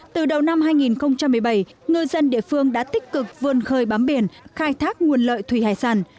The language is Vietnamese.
từ đầu năm hai nghìn một mươi bảy ngư dân địa phương đã tích cực vươn khơi bám biển khai thác nguồn lợi thủy hải sản